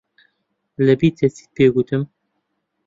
لەبیرتە چیت پێ گوتم؟